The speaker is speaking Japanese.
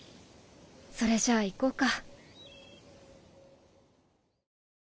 それじゃ行こうか。